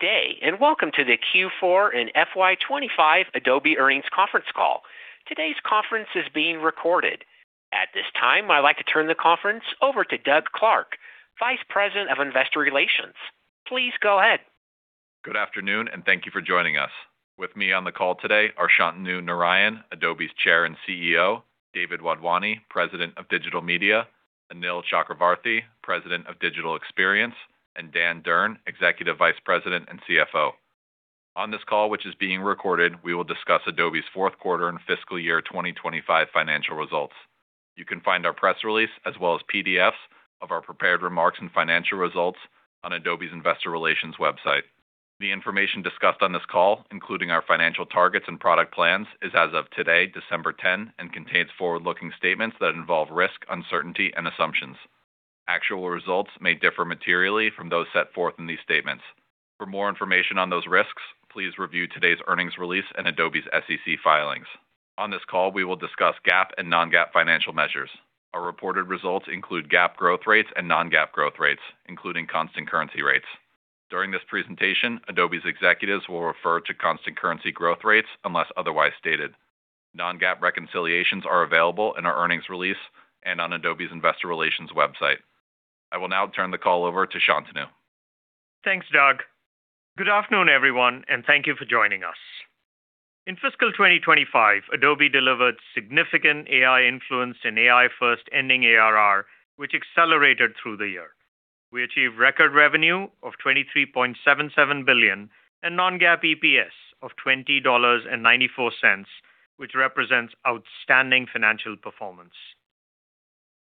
Good day, and welcome to the Q4 and FY25 Adobe Earnings Conference Call. Today's conference is being recorded. At this time, I'd like to turn the conference over to Doug Clark, Vice President of Investor Relations. Please go ahead. Good afternoon, and thank you for joining us. With me on the call today are Shantanu Narayen, Adobe's Chair and CEO, David Wadhwani, President of Digital Media, Anil Chakravarthy, President of Digital Experience, and Dan Durn, Executive Vice President and CFO. On this call, which is being recorded, we will discuss Adobe's fourth quarter and fiscal year 2025 financial results. You can find our press release, as well as PDFs, of our prepared remarks and financial results on Adobe's Investor Relations website. The information discussed on this call, including our financial targets and product plans, is as of today, December 10, and contains forward-looking statements that involve risk, uncertainty, and assumptions. Actual results may differ materially from those set forth in these statements. For more information on those risks, please review today's earnings release and Adobe's SEC filings. On this call, we will discuss GAAP and Non-GAAP financial measures. Our reported results include GAAP growth rates and non-GAAP growth rates, including constant currency rates. During this presentation, Adobe's executives will refer to constant currency growth rates unless otherwise stated. Non-GAAP reconciliations are available in our earnings release and on Adobe's Investor Relations website. I will now turn the call over to Shantanu. Thanks, Doug. Good afternoon, everyone, and thank you for joining us. In fiscal 2025, Adobe delivered significant AI-influenced and AI-first ending ARR, which accelerated through the year. We achieved record revenue of $23.77 billion and non-GAAP EPS of $20.94, which represents outstanding financial performance.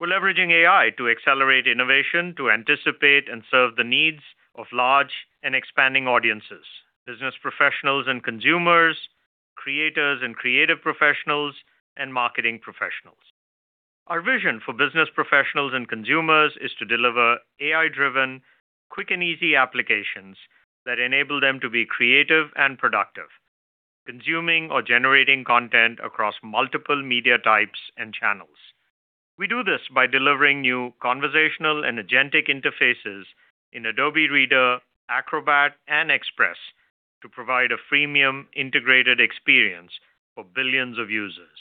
We're leveraging AI to accelerate innovation, to anticipate and serve the needs of large and expanding audiences: business professionals and consumers, creators and creative professionals, and marketing professionals. Our vision for business professionals and consumers is to deliver AI-driven, quick, and easy applications that enable them to be creative and productive, consuming or generating content across multiple media types and channels. We do this by delivering new conversational and agentic interfaces in Adobe Reader, Acrobat, and Express to provide a freemium integrated experience for billions of users.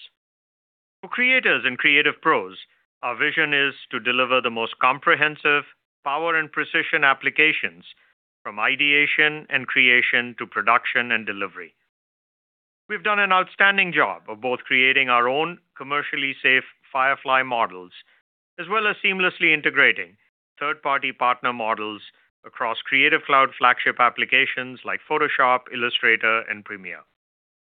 For creators and creative pros, our vision is to deliver the most comprehensive, powerful, and precise applications, from ideation and creation to production and delivery. We've done an outstanding job of both creating our own commercially safe Firefly models, as well as seamlessly integrating third-party partner models across Creative Cloud flagship applications like Photoshop, Illustrator, and Premiere.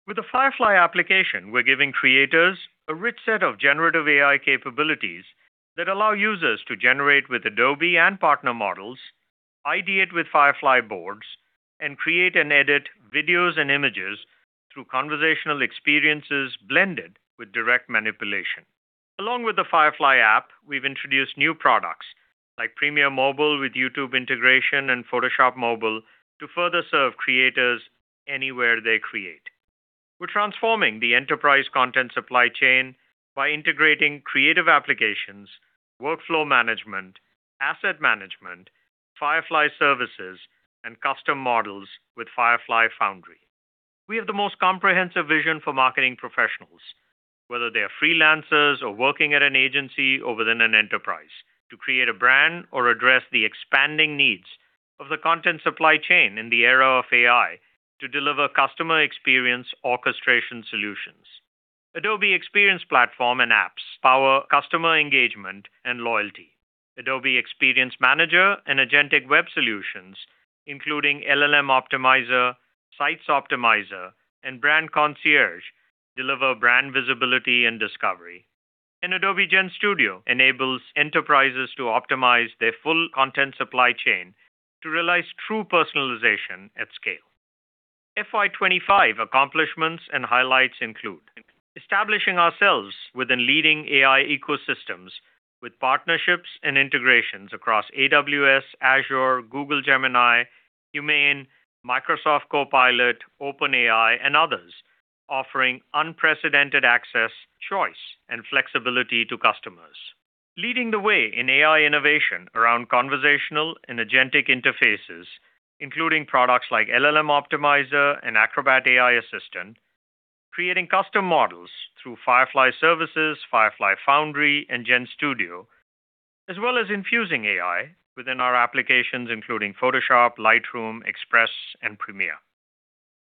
With the Firefly application, we're giving creators a rich set of generative AI capabilities that allow users to generate with Adobe and partner models, ideate with Firefly Boards, and create and edit videos and images through conversational experiences blended with direct manipulation. Along with the Firefly app, we've introduced new products like Premiere Mobile with YouTube integration and Photoshop Mobile to further serve creators anywhere they create. We're transforming the enterprise content supply chain by integrating creative applications, workflow management, asset management, Firefly Services, and custom models with Firefly Foundry. We have the most comprehensive vision for marketing professionals, whether they are freelancers or working at an agency or within an enterprise, to create a brand or address the expanding needs of the content supply chain in the era of AI to deliver customer experience orchestration solutions. Adobe Experience Platform and apps power customer engagement and loyalty. Adobe Experience Manager and agentic web solutions, including LLM Optimizer, Sites Optimizer, and Brand Concierge, deliver brand visibility and discovery, and Adobe GenStudio enables enterprises to optimize their full content supply chain to realize true personalization at scale. FY25 accomplishments and highlights include establishing ourselves within leading AI ecosystems with partnerships and integrations across AWS, Azure, Google Gemini, Humane, Microsoft Copilot, OpenAI, and others, offering unprecedented access, choice, and flexibility to customers. Leading the way in AI innovation around conversational and agentic interfaces, including products like LLM Optimizer and Acrobat AI Assistant, creating custom models through Firefly Services, Firefly Foundry, and GenStudio, as well as infusing AI within our applications, including Photoshop, Lightroom, Express, and Premiere.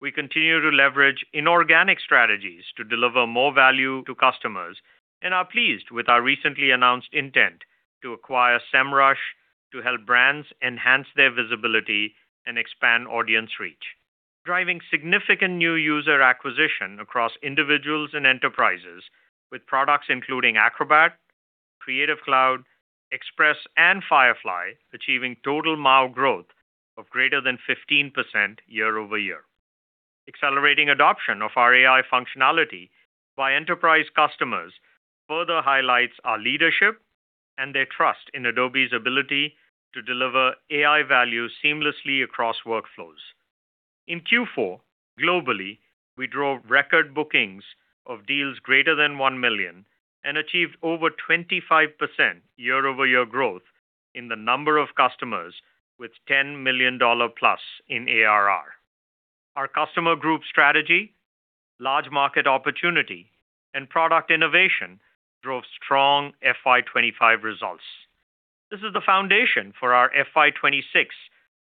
We continue to leverage inorganic strategies to deliver more value to customers and are pleased with our recently announced intent to acquire Semrush to help brands enhance their visibility and expand audience reach, driving significant new user acquisition across individuals and enterprises with products including Acrobat, Creative Cloud, Express, and Firefly, achieving total MAU growth of greater than 15% year-over-year. Accelerating adoption of our AI functionality by enterprise customers further highlights our leadership and their trust in Adobe's ability to deliver AI value seamlessly across workflows. In Q4, globally, we drove record bookings of deals greater than $1 million and achieved over 25% year-over-year growth in the number of customers with $10 million plus in ARR. Our customer group strategy, large market opportunity, and product innovation drove strong FY25 results. This is the foundation for our FY26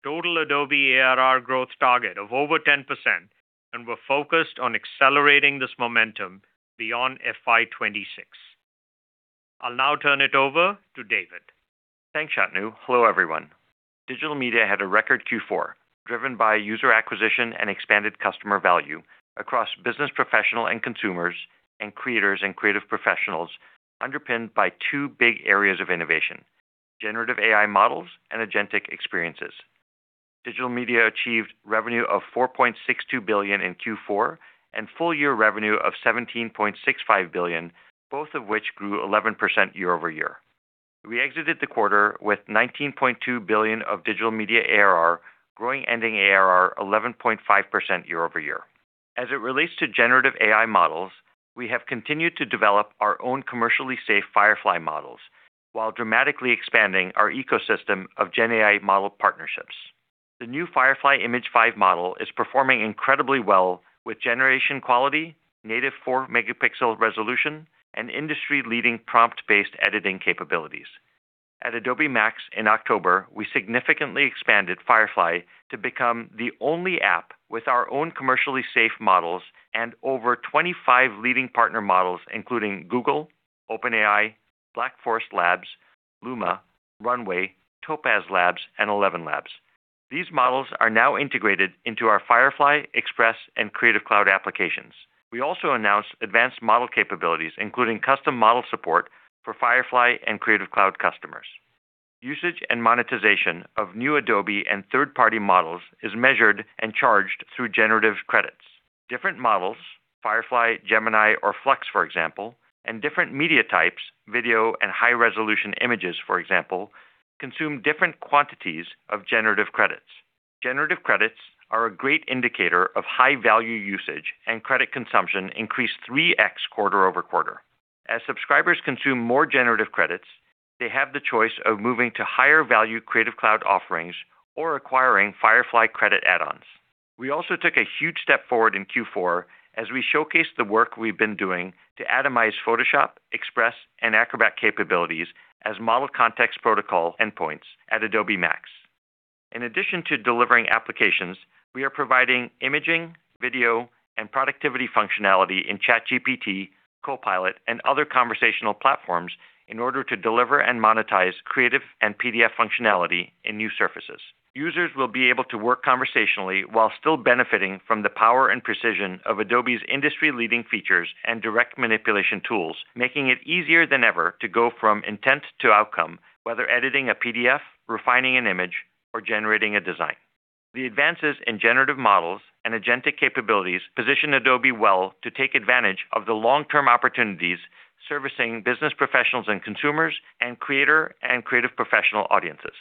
total Adobe ARR growth target of over 10%, and we're focused on accelerating this momentum beyond FY26. I'll now turn it over to David. Thanks, Shantanu. Hello, everyone. Digital media had a record Q4 driven by user acquisition and expanded customer value across business professionals and consumers and creators and creative professionals, underpinned by two big areas of innovation: generative AI models and agentic experiences. Digital media achieved revenue of $4.62 billion in Q4 and full-year revenue of $17.65 billion, both of which grew 11% year-over-year. We exited the quarter with $19.2 billion of digital media ARR, growing ending ARR 11.5% year-over-year. As it relates to generative AI models, we have continued to develop our own commercially safe Firefly models while dramatically expanding our ecosystem of GenAI model partnerships. The new Firefly Image 5 model is performing incredibly well with generation quality, native 4-megapixel resolution, and industry-leading prompt-based editing capabilities. At Adobe MAX in October, we significantly expanded Firefly to become the only app with our own commercially safe models and over 25 leading partner models, including Google, OpenAI, Black Forest Labs, Luma, Runway, Topaz Labs, and ElevenLabs. These models are now integrated into our Firefly, Express, and Creative Cloud applications. We also announced advanced model capabilities, including custom model support for Firefly and Creative Cloud customers. Usage and monetization of new Adobe and third-party models is measured and charged through generative credits. Different models-Firefly, Gemini, or Flux, for example-and different media types-video and high-resolution images, for example-consume different quantities of generative credits. Generative credits are a great indicator of high-value usage, and credit consumption increased 3X quarter-over-quarter. As subscribers consume more generative credits, they have the choice of moving to higher-value Creative Cloud offerings or acquiring Firefly credit add-ons. We also took a huge step forward in Q4 as we showcased the work we've been doing to atomize Photoshop, Express, and Acrobat capabilities as Model Context Protocol endpoints at Adobe MAX. In addition to delivering applications, we are providing imaging, video, and productivity functionality in ChatGPT, Copilot, and other conversational platforms in order to deliver and monetize creative and PDF functionality in new surfaces. Users will be able to work conversationally while still benefiting from the power and precision of Adobe's industry-leading features and direct manipulation tools, making it easier than ever to go from intent to outcome, whether editing a PDF, refining an image, or generating a design. The advances in generative models and agentic capabilities position Adobe well to take advantage of the long-term opportunities servicing business professionals and consumers and creator and creative professional audiences.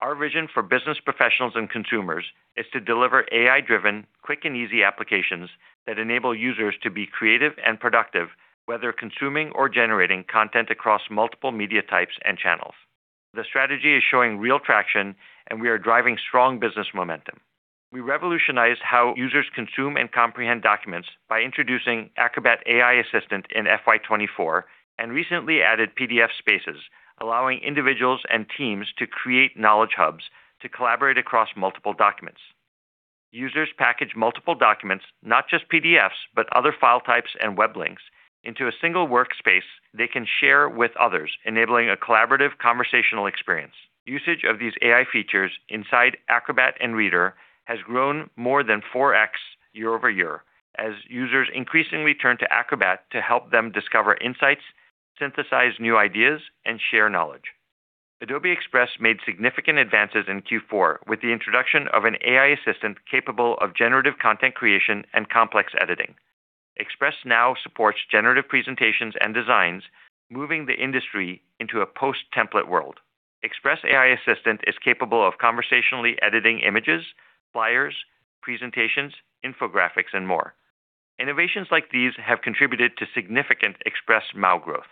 Our vision for business professionals and consumers is to deliver AI-driven, quick, and easy applications that enable users to be creative and productive, whether consuming or generating content across multiple media types and channels. The strategy is showing real traction, and we are driving strong business momentum. We revolutionized how users consume and comprehend documents by introducing Acrobat AI Assistant in FY24 and recently added PDF Spaces, allowing individuals and teams to create knowledge hubs to collaborate across multiple documents. Users package multiple documents, not just PDFs, but other file types and web links into a single workspace they can share with others, enabling a collaborative conversational experience. Usage of these AI features inside Acrobat and Reader has grown more than 4x year-over-year as users increasingly turn to Acrobat to help them discover insights, synthesize new ideas, and share knowledge. Adobe Express made significant advances in Q4 with the introduction of an AI assistant capable of generative content creation and complex editing. Express now supports generative presentations and designs, moving the industry into a post-template world. Express AI Assistant is capable of conversationally editing images, flyers, presentations, infographics, and more. Innovations like these have contributed to significant Express MAU growth.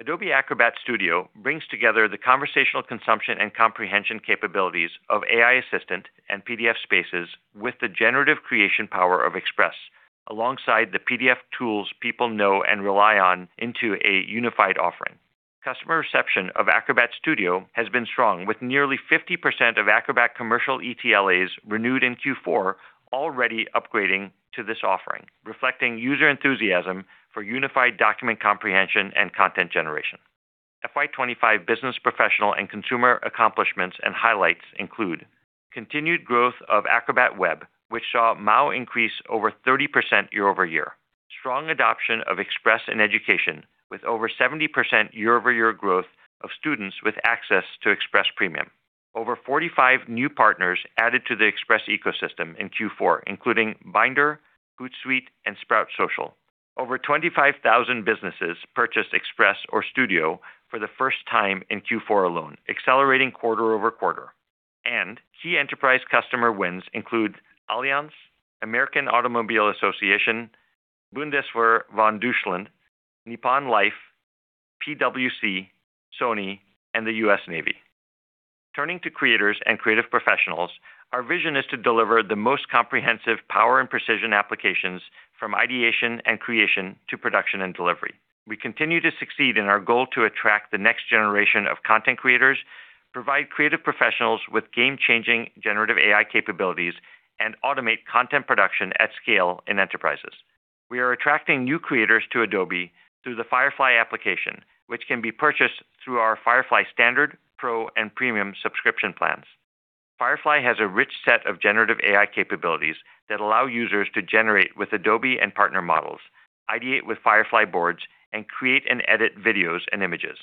Adobe Acrobat Studio brings together the conversational consumption and comprehension capabilities of AI Assistant and PDF Spaces with the generative creation power of Express, alongside the PDF tools people know and rely on into a unified offering. Customer reception of Acrobat Studio has been strong, with nearly 50% of Acrobat commercial ETLAs renewed in Q4 already upgrading to this offering, reflecting user enthusiasm for unified document comprehension and content generation. FY25 business professional and consumer accomplishments and highlights include continued growth of Acrobat Web, which saw MAU increase over 30% year-over-year, strong adoption of Express in education with over 70% year-over-year growth of students with access to Express Premium, over 45 new partners added to the Express ecosystem in Q4, including Bynder, Hootsuite, and Sprout Social, over 25,000 businesses purchased Express or Studio for the first time in Q4 alone, accelerating quarter-over-quarter, and key enterprise customer wins include Allianz, American Automobile Association, Bundeswehr von Deutschland, Nippon Life, PwC, Sony, and the U.S. Navy. Turning to creators and creative professionals, our vision is to deliver the most comprehensive power and precision applications from ideation and creation to production and delivery. We continue to succeed in our goal to attract the next generation of content creators, provide creative professionals with game-changing generative AI capabilities, and automate content production at scale in enterprises. We are attracting new creators to Adobe through the Firefly application, which can be purchased through our Firefly Standard, Pro, and Premium subscription plans. Firefly has a rich set of generative AI capabilities that allow users to generate with Adobe and partner models, ideate with Firefly Boards, and create and edit videos and images.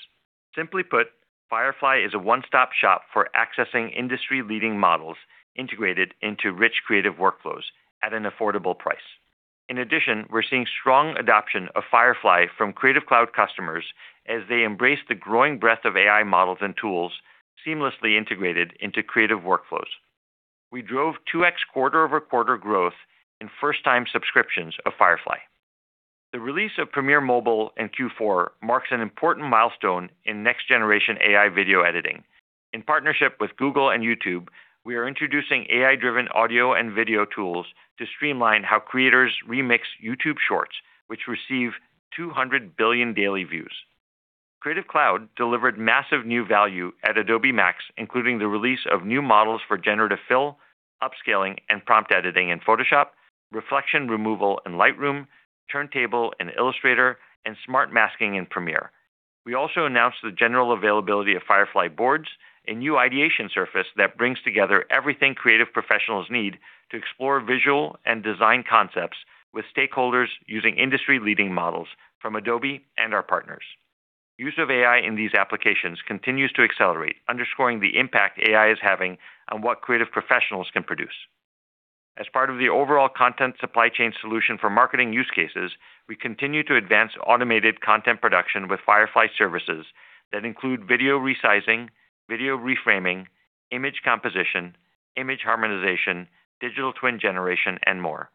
Simply put, Firefly is a one-stop shop for accessing industry-leading models integrated into rich creative workflows at an affordable price. In addition, we're seeing strong adoption of Firefly from Creative Cloud customers as they embrace the growing breadth of AI models and tools seamlessly integrated into creative workflows. We drove 2x quarter-over-quarter growth in first-time subscriptions of Firefly. The release of Premiere Mobile in Q4 marks an important milestone in next-generation AI video editing. In partnership with Google and YouTube, we are introducing AI-driven audio and video tools to streamline how creators remix YouTube Shorts, which receive 200 billion daily views. Creative Cloud delivered massive new value at Adobe MAX, including the release of new models for Generative Fill, upscaling, and prompt editing in Photoshop, reflection removal in Lightroom, Turntable in Illustrator, and smart masking in Premiere. We also announced the general availability of Firefly Boards, a new ideation surface that brings together everything creative professionals need to explore visual and design concepts with stakeholders using industry-leading models from Adobe and our partners. Use of AI in these applications continues to accelerate, underscoring the impact AI is having on what creative professionals can produce. As part of the overall content supply chain solution for marketing use cases, we continue to advance automated content production with Firefly Services that include video resizing, video reframing, image composition, image harmonization, digital twin generation, and more.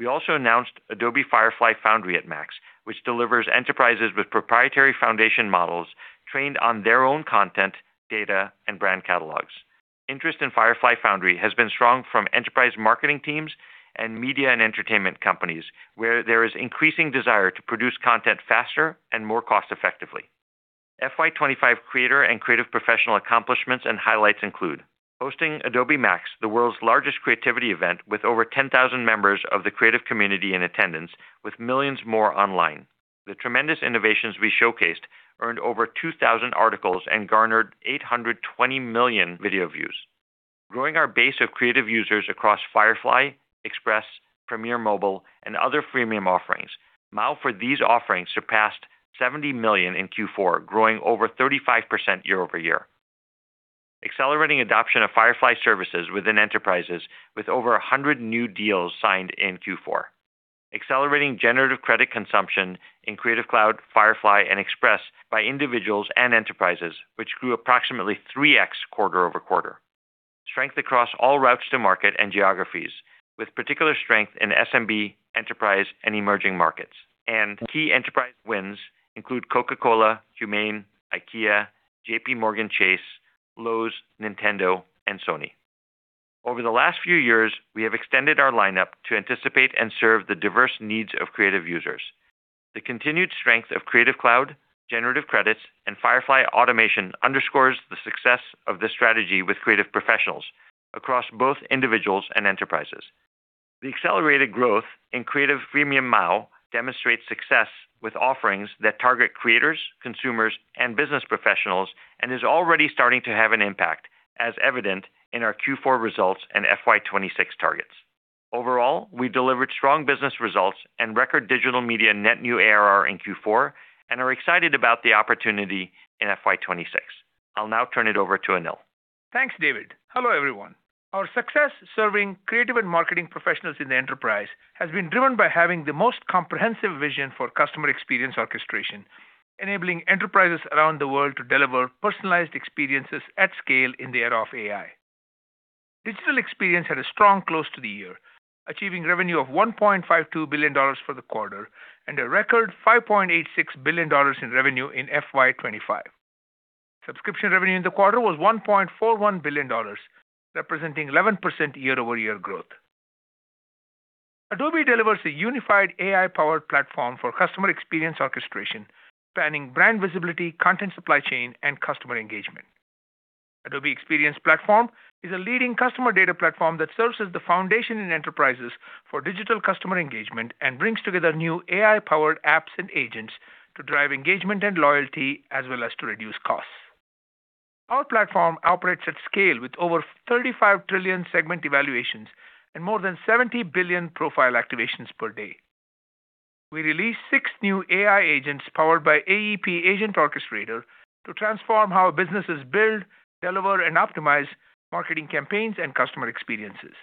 We also announced Adobe Firefly Foundry at MAX, which delivers enterprises with proprietary foundation models trained on their own content, data, and brand catalogs. Interest in Firefly Foundry has been strong from enterprise marketing teams and media and entertainment companies, where there is increasing desire to produce content faster and more cost-effectively. FY25 creator and creative professional accomplishments and highlights include hosting Adobe MAX, the world's largest creativity event with over 10,000 members of the creative community in attendance, with millions more online. The tremendous innovations we showcased earned over 2,000 articles and garnered 820 million video views. Growing our base of creative users across Firefly, Express, Premiere Mobile, and other freemium offerings, MAU for these offerings surpassed 70 million in Q4, growing over 35% year-over-year. Accelerating adoption of Firefly services within enterprises with over 100 new deals signed in Q4. Accelerating generative credit consumption in Creative Cloud, Firefly, and Express by individuals and enterprises, which grew approximately 3X quarter-over-quarter. Strength across all routes to market and geographies, with particular strength in SMB, enterprise, and emerging markets. And key enterprise wins include Coca-Cola, Domain, IKEA, JPMorgan Chase, Lowe's, Nintendo, and Sony. Over the last few years, we have extended our lineup to anticipate and serve the diverse needs of creative users. The continued strength of Creative Cloud, generative credits, and Firefly automation underscores the success of this strategy with creative professionals across both individuals and enterprises. The accelerated growth in creative freemium MAU demonstrates success with offerings that target creators, consumers, and business professionals and is already starting to have an impact, as evident in our Q4 results and FY26 targets. Overall, we delivered strong business results and record digital media net new ARR in Q4 and are excited about the opportunity in FY26. I'll now turn it over to Anil. Thanks, David. Hello, everyone. Our success serving creative and marketing professionals in the enterprise has been driven by having the most comprehensive vision for customer experience orchestration, enabling enterprises around the world to deliver personalized experiences at scale in the era of AI. Digital Experience had a strong close to the year, achieving revenue of $1.52 billion for the quarter and a record $5.86 billion in revenue in FY25. Subscription revenue in the quarter was $1.41 billion, representing 11% year-over-year growth. Adobe delivers a unified AI-powered platform for customer experience orchestration, spanning brand visibility, content supply chain, and customer engagement. Adobe Experience Platform is a leading customer data platform that serves as the foundation in enterprises for digital customer engagement and brings together new AI-powered apps and agents to drive engagement and loyalty as well as to reduce costs. Our platform operates at scale with over 35 trillion segment evaluations and more than 70 billion profile activations per day. We released six new AI agents powered by AEP Agent Orchestrator to transform how businesses build, deliver, and optimize marketing campaigns and customer experiences.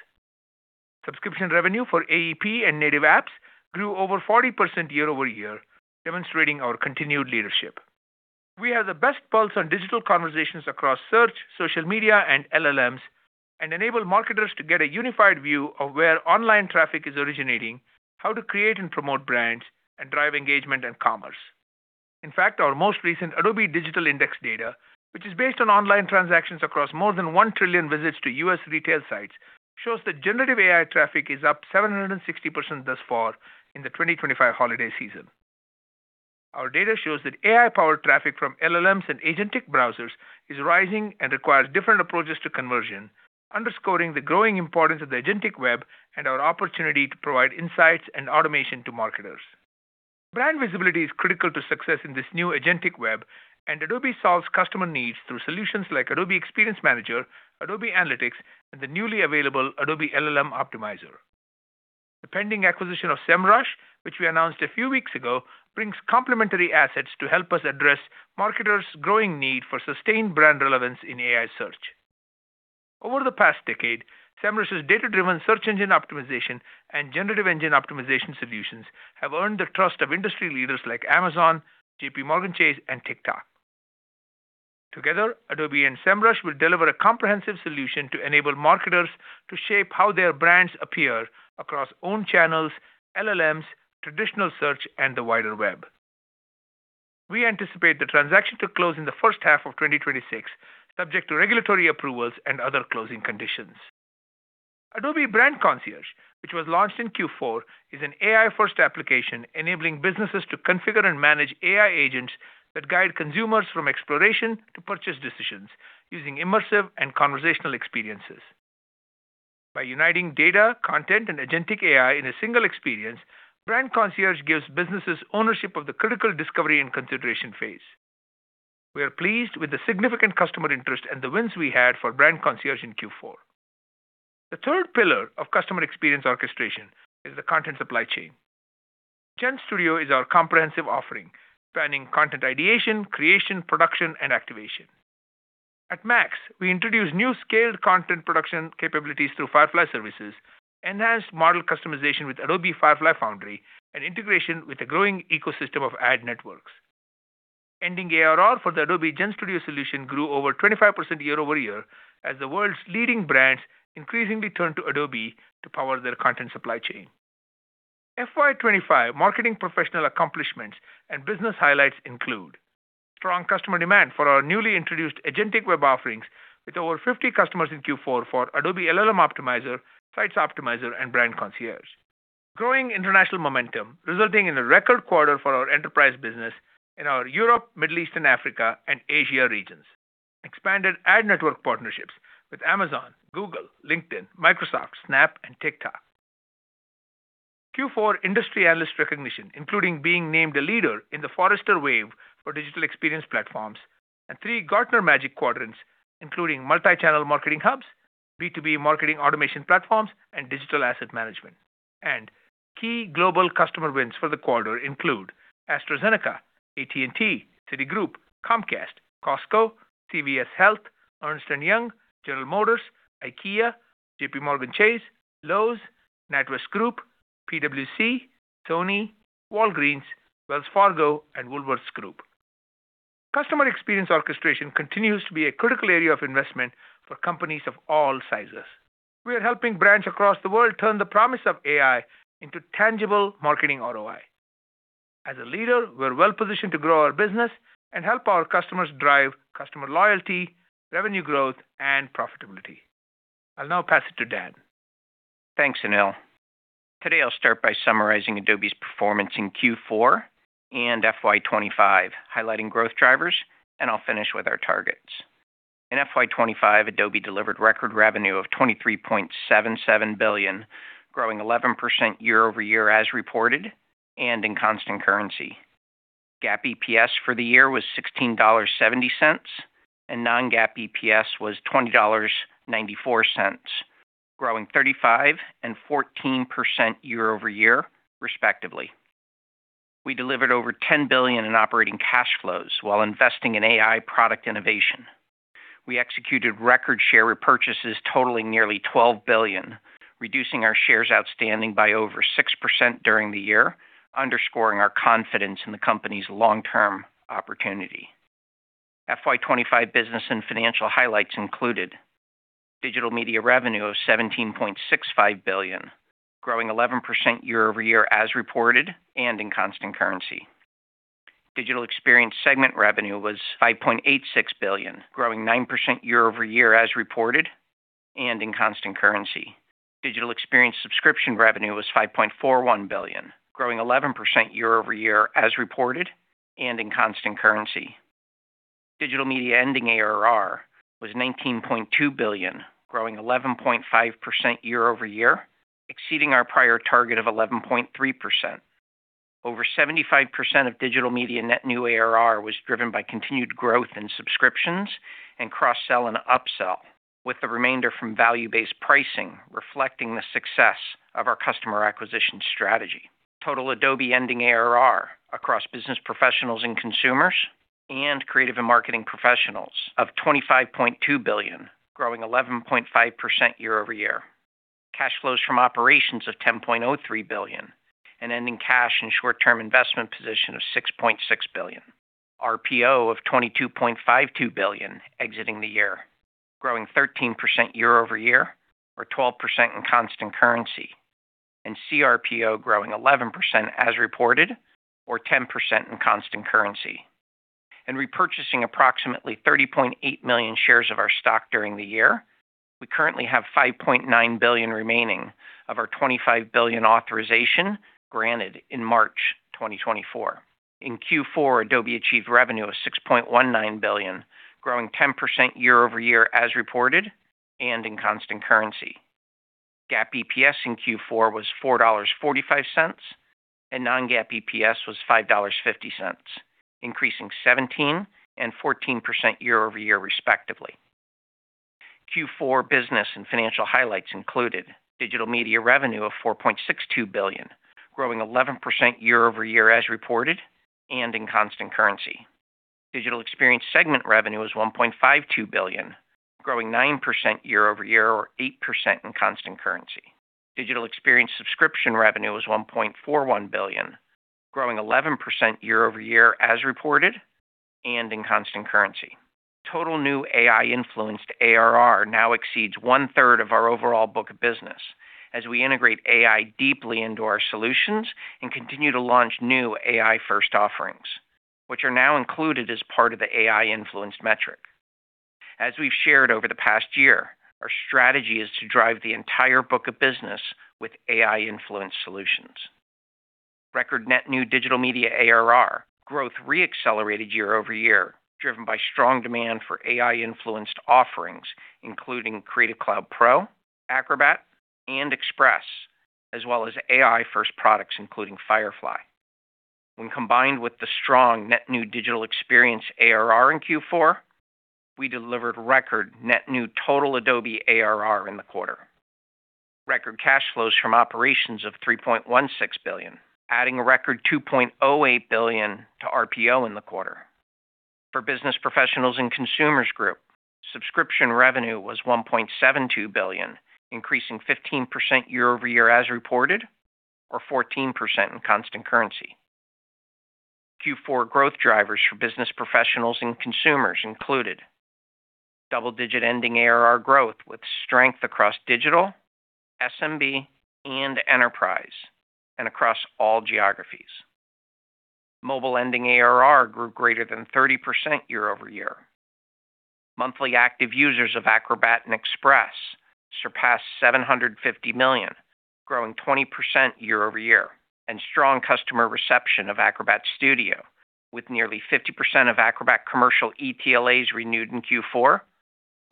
Subscription revenue for AEP and native apps grew over 40% year-over-year, demonstrating our continued leadership. We have the best pulse on digital conversations across search, social media, and LLMs and enable marketers to get a unified view of where online traffic is originating, how to create and promote brands, and drive engagement and commerce. In fact, our most recent Adobe Digital Index data, which is based on online transactions across more than 1 trillion visits to U.S. retail sites, shows that generative AI traffic is up 760% thus far in the 2025 holiday season. Our data shows that AI-powered traffic from LLMs and agentic browsers is rising and requires different approaches to conversion, underscoring the growing importance of the agentic web and our opportunity to provide insights and automation to marketers. Brand visibility is critical to success in this new agentic web, and Adobe solves customer needs through solutions like Adobe Experience Manager, Adobe Analytics, and the newly available Adobe LLM Optimizer. The pending acquisition of Semrush, which we announced a few weeks ago, brings complementary assets to help us address marketers' growing need for sustained brand relevance in AI search. Over the past decade, Semrush's data-driven search engine optimization and generative engine optimization solutions have earned the trust of industry leaders like Amazon, JPMorgan Chase, and TikTok. Together, Adobe and Semrush will deliver a comprehensive solution to enable marketers to shape how their brands appear across own channels, LLMs, traditional search, and the wider web. We anticipate the transaction to close in the first half of 2026, subject to regulatory approvals and other closing conditions. Adobe Brand Concierge, which was launched in Q4, is an AI-first application enabling businesses to configure and manage AI agents that guide consumers from exploration to purchase decisions using immersive and conversational experiences. By uniting data, content, and agentic AI in a single experience, Brand Concierge gives businesses ownership of the critical discovery and consideration phase. We are pleased with the significant customer interest and the wins we had for Brand Concierge in Q4. The third pillar of customer experience orchestration is the content supply chain. GenStudio is our comprehensive offering spanning content ideation, creation, production, and activation. At MAX, we introduce new scaled content production capabilities through Firefly Services, enhanced model customization with Adobe Firefly Foundry, and integration with a growing ecosystem of ad networks. Ending ARR for the Adobe GenStudio solution grew over 25% year-over-year as the world's leading brands increasingly turn to Adobe to power their content supply chain. FY25 marketing professional accomplishments and business highlights include strong customer demand for our newly introduced agentic web offerings with over 50 customers in Q4 for Adobe LLM Optimizer, Sites Optimizer, and Brand Concierge, growing international momentum resulting in a record quarter for our enterprise business in our Europe, Middle East, Africa, and Asia regions, and expanded ad network partnerships with Amazon, Google, LinkedIn, Microsoft, Snap, and TikTok. Q4 industry analyst recognition, including being named a leader in the Forrester Wave for digital experience platforms and three Gartner Magic Quadrants, including Multichannel Marketing Hubs, Digital Asset Management, and key global customer wins for the quarter include AstraZeneca, AT&T, Citigroup, Comcast, Costco, CVS Health, Ernst & Young, General Motors, IKEA, JPMorgan Chase, Lowe's, NatWest Group, PwC, Sony, Walgreens, Wells Fargo, and Woolworths Group. Customer experience orchestration continues to be a critical area of investment for companies of all sizes. We are helping brands across the world turn the promise of AI into tangible marketing ROI. As a leader, we're well-positioned to grow our business and help our customers drive customer loyalty, revenue growth, and profitability. I'll now pass it to Dan. Thanks, Anil. Today, I'll start by summarizing Adobe's performance in Q4 and FY25, highlighting growth drivers, and I'll finish with our targets. In FY25, Adobe delivered record revenue of $23.77 billion, growing 11% year-over-year as reported and in constant currency. GAAP EPS for the year was $16.70, and non-GAAP EPS was $20.94, growing 35% and 14% year-over-year, respectively. We delivered over $10 billion in operating cash flows while investing in AI product innovation. We executed record-share repurchases totaling nearly $12 billion, reducing our shares outstanding by over six% during the year, underscoring our confidence in the company's long-term opportunity. FY25 business and financial highlights included digital media revenue of $17.65 billion, growing 11% year-over-year as reported and in constant currency. Digital experience segment revenue was $5.86 billion, growing 9% year-over-year as reported and in constant currency. Digital Experience subscription revenue was $5.41 billion, growing 11% year-over-year as reported and in constant currency. Digital Media ending ARR was $19.2 billion, growing 11.5% year-over-year, exceeding our prior target of 11.3%. Over 75% of Digital Media net new ARR was driven by continued growth in subscriptions and cross-sell and upsell, with the remainder from value-based pricing reflecting the success of our customer acquisition strategy. Total Adobe ending ARR across business professionals and consumers and creative and marketing professionals of $25.2 billion, growing 11.5% year-over-year. Cash flows from operations of $10.03 billion, an ending cash and short-term investment position of $6.6 billion. RPO of $22.52 billion exiting the year, growing 13% year-over-year or 12% in constant currency, and CRPO growing 11% as reported or 10% in constant currency. And repurchasing approximately 30.8 million shares of our stock during the year, we currently have $5.9 billion remaining of our $25 billion authorization granted in March 2024. In Q4, Adobe achieved revenue of $6.19 billion, growing 10% year-over-year as reported and in constant currency. GAAP EPS in Q4 was $4.45, and non-GAAP EPS was $5.50, increasing 17% and 14% year-over-year, respectively. Q4 business and financial highlights included digital media revenue of $4.62 billion, growing 11% year-over-year as reported and in constant currency. Digital experience segment revenue was $1.52 billion, growing 9% year-over-year or 8% in constant currency. Digital experience subscription revenue was $1.41 billion, growing 11% year-over-year as reported and in constant currency. Total new AI-influenced ARR now exceeds one-third of our overall book of business as we integrate AI deeply into our solutions and continue to launch new AI-first offerings, which are now included as part of the AI-influenced metric. As we've shared over the past year, our strategy is to drive the entire book of business with AI-influenced solutions. Record net new digital media ARR growth re-accelerated year-over-year, driven by strong demand for AI-influenced offerings, including Creative Cloud Pro, Acrobat, and Express, as well as AI-first products, including Firefly. When combined with the strong net new digital experience ARR in Q4, we delivered record net new total Adobe ARR in the quarter. Record cash flows from operations of $3.16 billion, adding a record $2.08 billion to RPO in the quarter. For business professionals and consumers group, subscription revenue was $1.72 billion, increasing 15% year-over-year as reported or 14% in constant currency. Q4 growth drivers for business professionals and consumers included double-digit ending ARR growth with strength across digital, SMB, and enterprise, and across all geographies. Mobile ending ARR grew greater than 30% year-over-year. Monthly active users of Acrobat and Express surpassed 750 million, growing 20% year-over-year, and strong customer reception of Acrobat Studio, with nearly 50% of Acrobat commercial ETLAs renewed in Q4,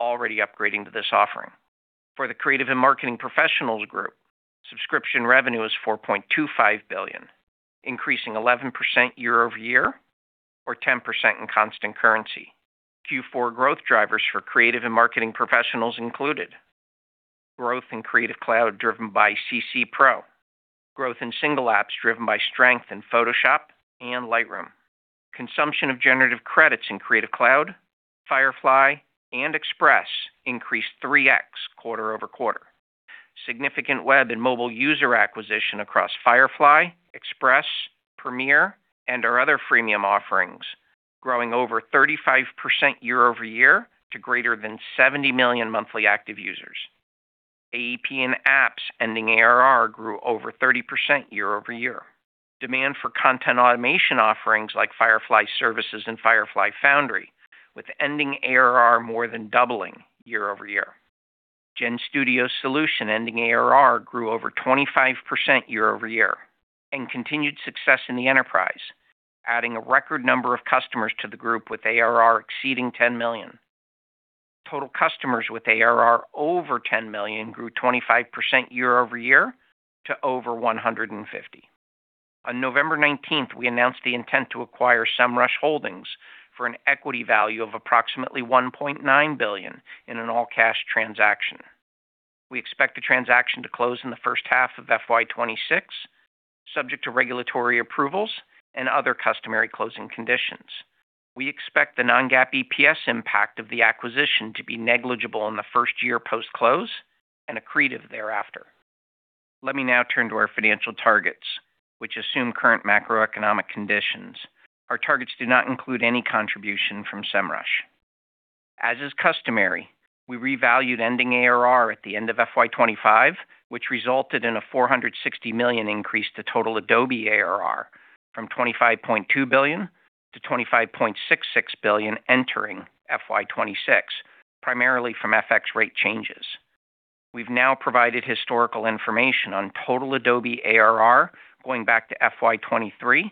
already upgrading to this offering. For the creative and marketing professionals group, subscription revenue was $4.25 billion, increasing 11% year-over-year or 10% in constant currency. Q4 growth drivers for creative and marketing professionals included growth in Creative Cloud driven by CC Pro, growth in single apps driven by strength in Photoshop and Lightroom. Consumption of generative credits in Creative Cloud, Firefly, and Express increased 3X quarter-over-quarter. Significant web and mobile user acquisition across Firefly, Express, Premiere, and our other freemium offerings, growing over 35% year-over-year to greater than 70 million monthly active users. AEP and apps ending ARR grew over 30% year-over-year. Demand for content automation offerings like Firefly Services and Firefly Foundry, with ending ARR more than doubling year-over-year. GenStudio solution ending ARR grew over 25% year-over-year and continued success in the enterprise, adding a record number of customers to the group with ARR exceeding 10 million. Total customers with ARR over 10 million grew 25% year-over-year to over 150. On November 19th, we announced the intent to acquire Semrush Holdings for an equity value of approximately $1.9 billion in an all-cash transaction. We expect the transaction to close in the first half of FY26, subject to regulatory approvals and other customary closing conditions. We expect the non-GAAP EPS impact of the acquisition to be negligible in the first year post-close and accretive thereafter. Let me now turn to our financial targets, which assume current macroeconomic conditions. Our targets do not include any contribution from Semrush. As is customary, we revalued ending ARR at the end of FY25, which resulted in a $460 million increase to total Adobe ARR from $25.2 billion to $25.66 billion entering FY26, primarily from FX rate changes. We've now provided historical information on total Adobe ARR going back to FY23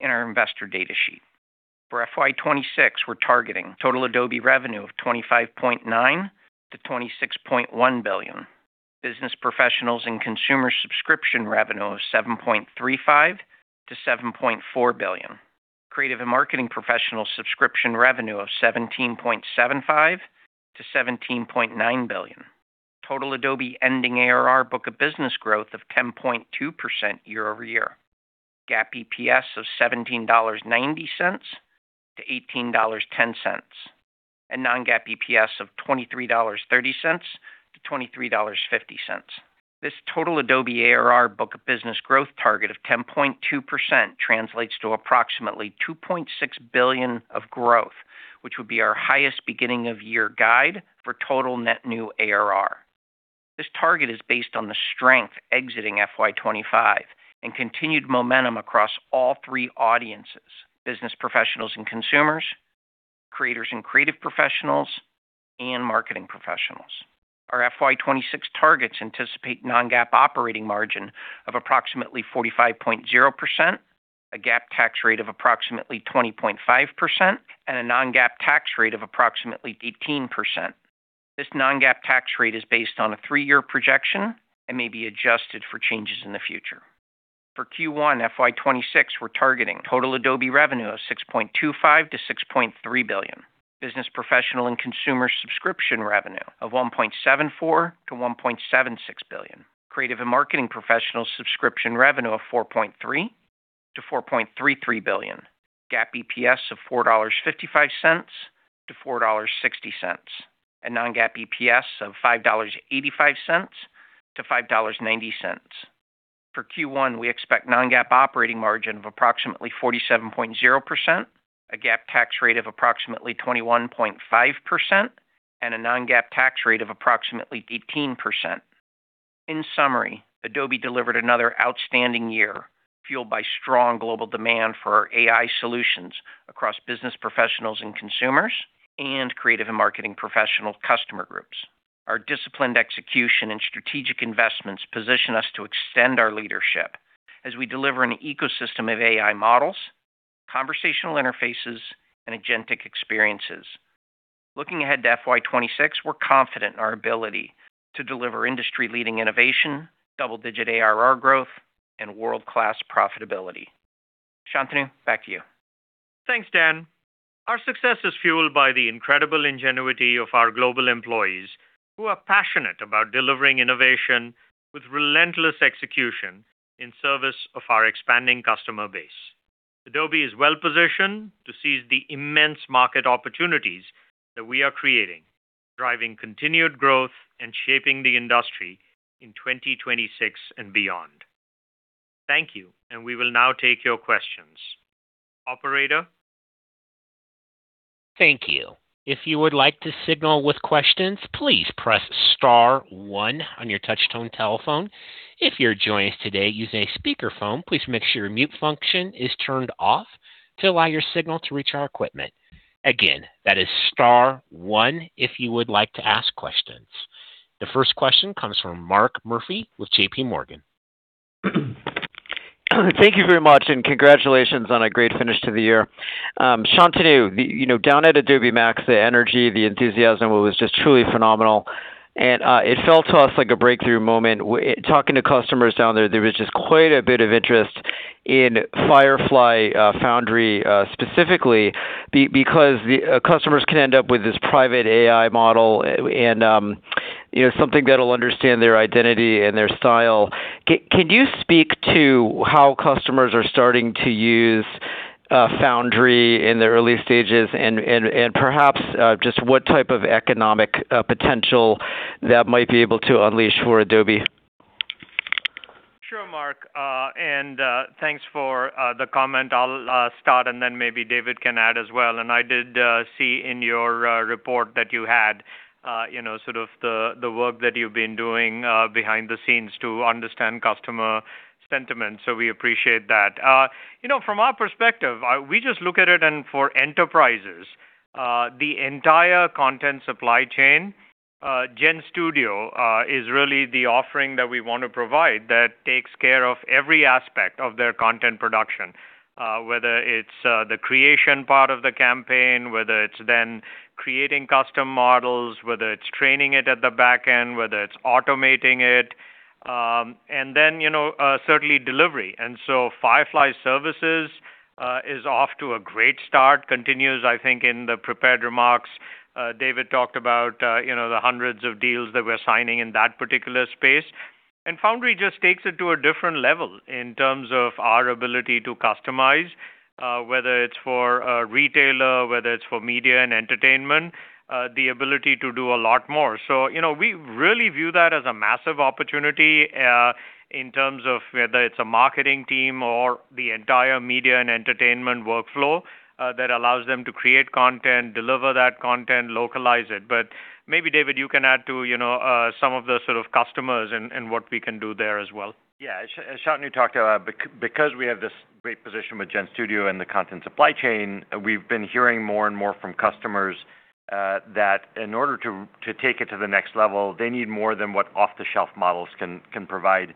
in our investor data sheet. For FY26, we're targeting total Adobe revenue of $25.9-$26.1 billion, business professionals and consumer subscription revenue of $7.35-$7.4 billion, creative and marketing professional subscription revenue of $17.75-$17.9 billion, total Adobe ending ARR book of business growth of 10.2% year-over-year, GAAP EPS of $17.90-$18.10, and non-GAAP EPS of $23.30-$23.50. This total Adobe ARR book of business growth target of 10.2% translates to approximately $2.6 billion of growth, which would be our highest beginning-of-year guide for total net new ARR. This target is based on the strength exiting FY25 and continued momentum across all three audiences: business professionals and consumers, creators and creative professionals, and marketing professionals. Our FY26 targets anticipate non-GAAP operating margin of approximately 45.0%, a GAAP tax rate of approximately 20.5%, and a non-GAAP tax rate of approximately 18%. This non-GAAP tax rate is based on a three-year projection and may be adjusted for changes in the future. For Q1, FY26, we're targeting total Adobe revenue of $6.25-$6.3 billion, business professional and consumer subscription revenue of $1.74-$1.76 billion, creative and marketing professional subscription revenue of $4.3-$4.33 billion, GAAP EPS of $4.55-$4.60, and non-GAAP EPS of $5.85-$5.90. For Q1, we expect non-GAAP operating margin of approximately 47.0%, a GAAP tax rate of approximately 21.5%, and a non-GAAP tax rate of approximately 18%. In summary, Adobe delivered another outstanding year, fueled by strong global demand for our AI solutions across business professionals and consumer and creative and marketing professional customer groups. Our disciplined execution and strategic investments position us to extend our leadership as we deliver an ecosystem of AI models, conversational interfaces, and agentic experiences. Looking ahead to FY26, we're confident in our ability to deliver industry-leading innovation, double-digit ARR growth, and world-class profitability. Shantanu, back to you. Thanks, Dan. Our success is fueled by the incredible ingenuity of our global employees, who are passionate about delivering innovation with relentless execution in service of our expanding customer base. Adobe is well-positioned to seize the immense market opportunities that we are creating, driving continued growth and shaping the industry in 2026 and beyond. Thank you, and we will now take your questions. Operator. Thank you. If you would like to signal with questions, please press star one on your touch-tone telephone. If you're joining us today using a speakerphone, please make sure your mute function is turned off to allow your signal to reach our equipment. Again, that is star one if you would like to ask questions. The first question comes from Mark Murphy with J.P. Morgan. Thank you very much, and congratulations on a great finish to the year. Shantanu, down at Adobe MAX, the energy, the enthusiasm, it was just truly phenomenal. And it felt to us like a breakthrough moment. Talking to customers down there, there was just quite a bit of interest in Firefly Foundry specifically because customers can end up with this private AI model and something that'll understand their identity and their style. Can you speak to how customers are starting to use Foundry in the early stages and perhaps just what type of economic potential that might be able to unleash for Adobe? Sure, Mark. And thanks for the comment. I'll start, and then maybe David can add as well. And I did see in your report that you had sort of the work that you've been doing behind the scenes to understand customer sentiment, so we appreciate that. From our perspective, we just look at it for enterprises. The entire content supply chain, GenStudio is really the offering that we want to provide that takes care of every aspect of their content production, whether it's the creation part of the campaign, whether it's then creating custom models, whether it's training it at the back end, whether it's automating it, and then certainly delivery. And so Firefly Services is off to a great start, continues, I think, in the prepared remarks. David talked about the hundreds of deals that we're signing in that particular space. And Foundry just takes it to a different level in terms of our ability to customize, whether it's for a retailer, whether it's for media and entertainment, the ability to do a lot more. So we really view that as a massive opportunity in terms of whether it's a marketing team or the entire media and entertainment workflow that allows them to create content, deliver that content, localize it. But maybe, David, you can add to some of the sort of customers and what we can do there as well. Yeah. Shantanu talked about, because we have this great position with GenStudio and the content supply chain, we've been hearing more and more from customers that in order to take it to the next level, they need more than what off-the-shelf models can provide.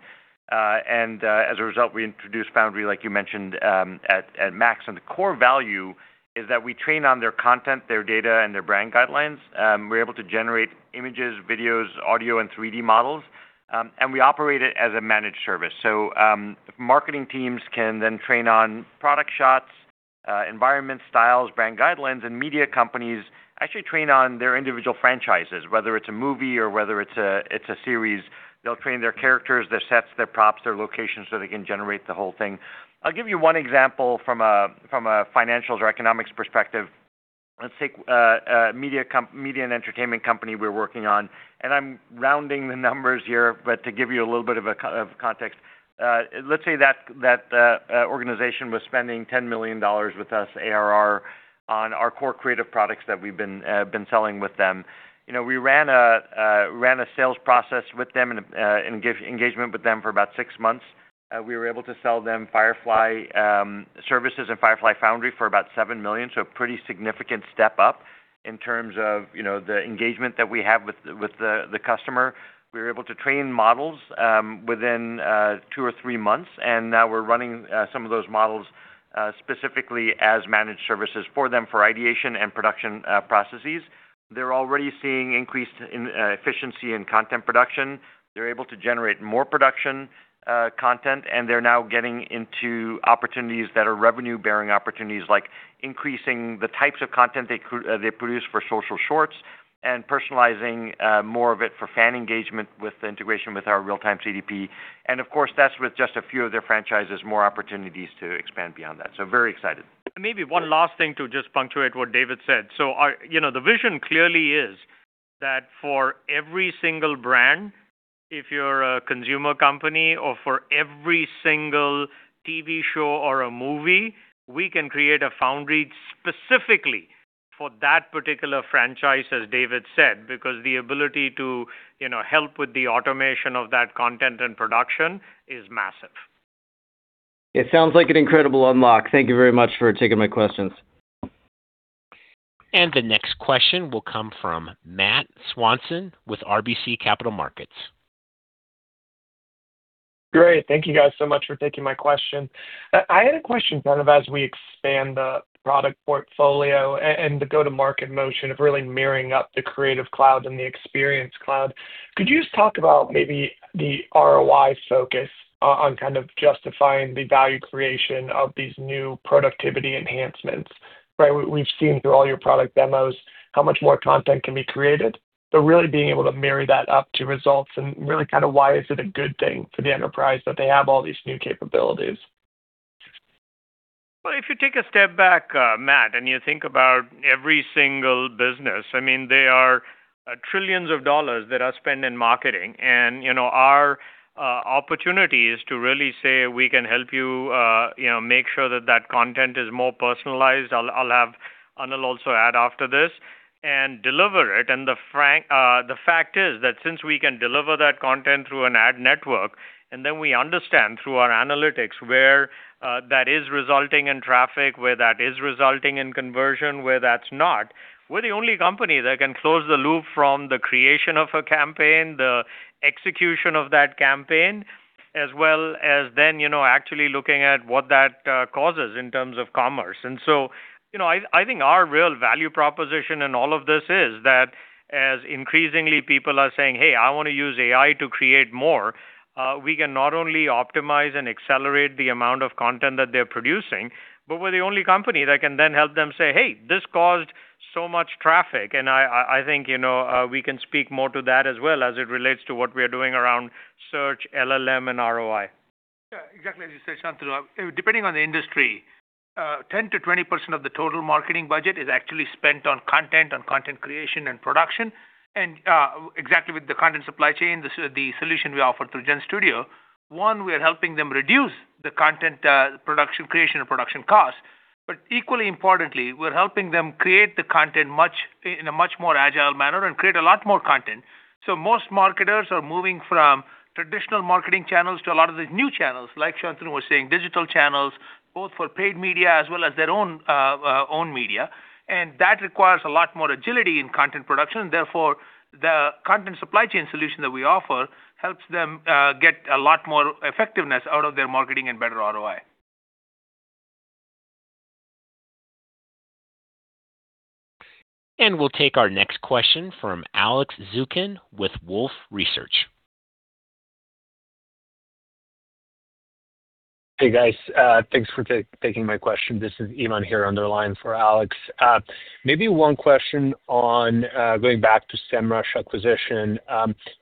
And as a result, we introduced Firefly Foundry, like you mentioned, at MAX. And the core value is that we train on their content, their data, and their brand guidelines. We're able to generate images, videos, audio, and 3D models, and we operate it as a managed service. So marketing teams can then train on product shots, environment styles, brand guidelines, and media companies actually train on their individual franchises, whether it's a movie or whether it's a series. They'll train their characters, their sets, their props, their locations so they can generate the whole thing. I'll give you one example from a financials or economics perspective. Let's take a media and entertainment company we're working on. And I'm rounding the numbers here, but to give you a little bit of context, let's say that organization was spending $10 million with us ARR on our core creative products that we've been selling with them. We ran a sales process with them and engagement with them for about six months. We were able to sell them Firefly Services and Firefly Foundry for about $7 million, so a pretty significant step up in terms of the engagement that we have with the customer. We were able to train models within two or three months, and now we're running some of those models specifically as managed services for them for ideation and production processes. They're already seeing increased efficiency in content production. They're able to generate more production content, and they're now getting into opportunities that are revenue-bearing opportunities, like increasing the types of content they produce for social shorts and personalizing more of it for fan engagement with the integration with our Real-Time CDP, and of course, that's with just a few of their franchises, more opportunities to expand beyond that, so very excited. Maybe one last thing to just punctuate what David said, so the vision clearly is that for every single brand, if you're a consumer company or for every single TV show or a movie, we can create a Foundry specifically for that particular franchise, as David said, because the ability to help with the automation of that content and production is massive. It sounds like an incredible unlock. Thank you very much for taking my questions. The next question will come from Matt Swanson with RBC Capital Markets. Great. Thank you guys so much for taking my question. I had a question kind of as we expand the product portfolio and the go-to-market motion of really mirroring up the Creative Cloud and the Experience Cloud. Could you just talk about maybe the ROI focus on kind of justifying the value creation of these new productivity enhancements? We've seen through all your product demos how much more content can be created, but really being able to marry that up to results and really kind of why is it a good thing for the enterprise that they have all these new capabilities? Well, if you take a step back, Matt, and you think about every single business, I mean, there are trillions of dollars that are spent in marketing. And our opportunity is to really say, "We can help you make sure that that content is more personalized." I'll also add after this and deliver it. And the fact is that since we can deliver that content through an ad network, and then we understand through our analytics where that is resulting in traffic, where that is resulting in conversion, where that's not, we're the only company that can close the loop from the creation of a campaign, the execution of that campaign, as well as then actually looking at what that causes in terms of commerce. And so I think our real value proposition in all of this is that as increasingly people are saying, "Hey, I want to use AI to create more," we can not only optimize and accelerate the amount of content that they're producing, but we're the only company that can then help them say, "Hey, this caused so much traffic," and I think we can speak more to that as well as it relates to what we are doing around search, LLM, and ROI. Yeah. Exactly as you said, Shantanu. Depending on the industry, 10%-20% of the total marketing budget is actually spent on content, on content creation and production. And exactly with the content supply chain, the solution we offer through GenStudio, one, we are helping them reduce the content creation and production costs. But equally importantly, we're helping them create the content in a much more agile manner and create a lot more content. So most marketers are moving from traditional marketing channels to a lot of the new channels, like Shantanu was saying, digital channels, both for paid media as well as their own media. And that requires a lot more agility in content production. Therefore, the content supply chain solution that we offer helps them get a lot more effectiveness out of their marketing and better ROI. We'll take our next question from Alex Zukin with Wolfe Reserch. Hey, guys. Thanks for taking my question. This is Ivan here on the line for Alex. Maybe one question on going back to Semrush acquisition.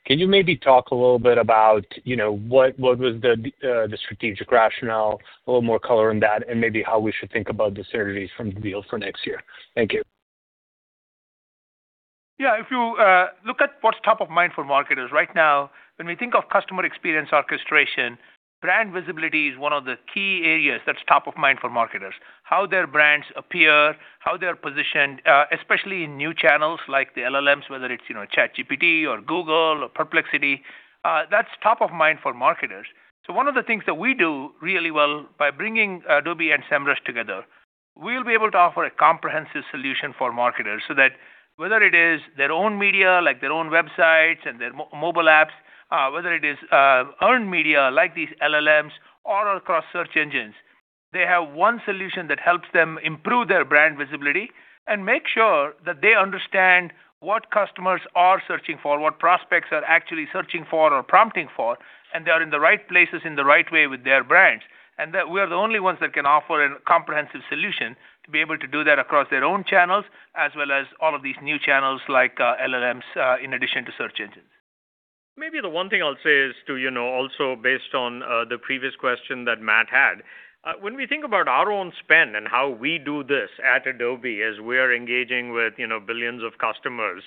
Can you maybe talk a little bit about what was the strategic rationale, a little more color on that, and maybe how we should think about the strategies from the deal for next year? Thank you. Yeah. If you look at what's top of mind for marketers right now, when we think of customer experience orchestration, brand visibility is one of the key areas that's top of mind for marketers. How their brands appear, how they're positioned, especially in new channels like the LLMs, whether it's ChatGPT or Google or Perplexity, that's top of mind for marketers. So one of the things that we do really well by bringing Adobe and Semrush together, we'll be able to offer a comprehensive solution for marketers so that whether it is their own media, like their own websites and their mobile apps, whether it is earned media like these LLMs or across search engines, they have one solution that helps them improve their brand visibility and make sure that they understand what customers are searching for, what prospects are actually searching for or prompting for, and they are in the right places in the right way with their brands. And we are the only ones that can offer a comprehensive solution to be able to do that across their own channels as well as all of these new channels like LLMs in addition to search engines. Maybe the one thing I'll say is to also, based on the previous question that Matt had, when we think about our own spend and how we do this at Adobe as we are engaging with billions of customers,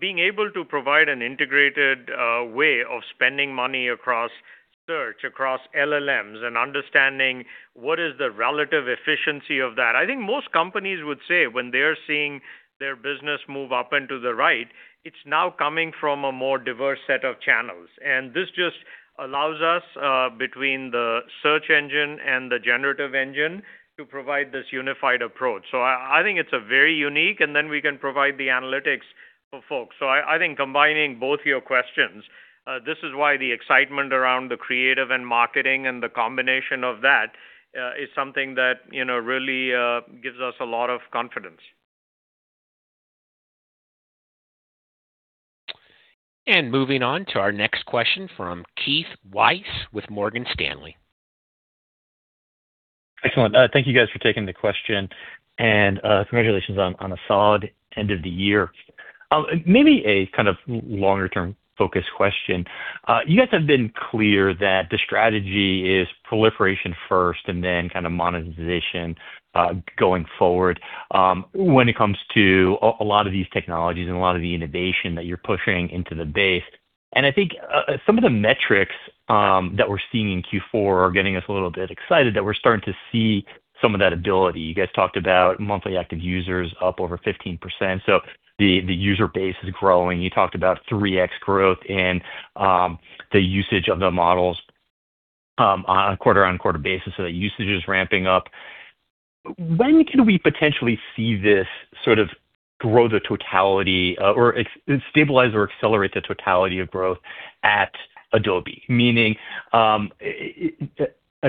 being able to provide an integrated way of spending money across search, across LLMs, and understanding what is the relative efficiency of that. I think most companies would say when they're seeing their business move up and to the right, it's now coming from a more diverse set of channels, and this just allows us between the search engine and the generative engine to provide this unified approach, so I think it's very unique, and then we can provide the analytics for folks. So I think combining both your questions, this is why the excitement around the creative and marketing and the combination of that is something that really gives us a lot of confidence. Moving on to our next question from Keith Weiss with Morgan Stanley. Excellent. Thank you guys for taking the question. And congratulations on a solid end of the year. Maybe a kind of longer-term focus question. You guys have been clear that the strategy is proliferation first and then kind of monetization going forward when it comes to a lot of these technologies and a lot of the innovation that you're pushing into the base. And I think some of the metrics that we're seeing in Q4 are getting us a little bit excited that we're starting to see some of that ability. You guys talked about monthly active users up over 15%. So the user base is growing. You talked about 3X growth in the usage of the models on a quarter-on-quarter basis. So the usage is ramping up. When can we potentially see this sort of grow the totality or stabilize or accelerate the totality of growth at Adobe? Meaning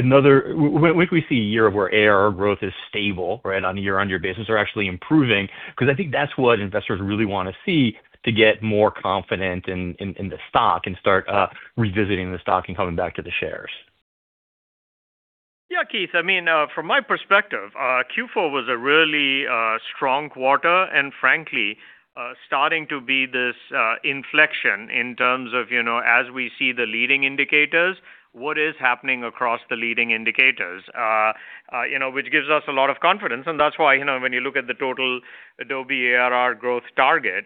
when can we see a year where ARR growth is stable, right, on year-on-year basis or actually improving? Because I think that's what investors really want to see to get more confident in the stock and start revisiting the stock and coming back to the shares. Yeah, Keith. I mean, from my perspective, Q4 was a really strong quarter and frankly starting to be this inflection in terms of as we see the leading indicators, what is happening across the leading indicators, which gives us a lot of confidence, and that's why when you look at the total Adobe ARR growth target,